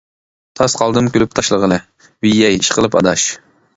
تاس قالدىم كۈلۈپ تاشلىغىلى. -ۋىيەي. ئىشقىلىپ ئاداش.